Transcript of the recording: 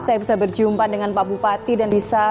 saya bisa berjumpa dengan pak bupati dan bisa